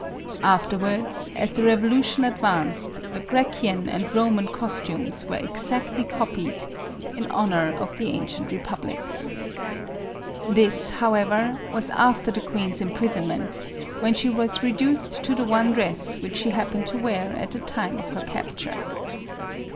Afterwards, as the Revolution advanced, the Grecian and Roman costumes were exactly copied, in honor of the ancient republics. This, however, was after the queen's imprisonment, when she was reduced to tho one dress which she happened to wear at the time of her capture.